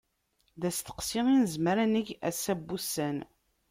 D asteqsi i nezmer ad neg ass-a n wussan.